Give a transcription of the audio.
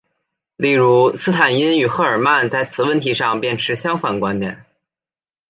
例如斯坦因与赫尔曼在此问题上便持相反观点。